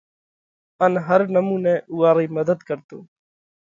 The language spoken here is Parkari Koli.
ان هر نمُونئہ اُوئا رئِي مڌت ڪرتو۔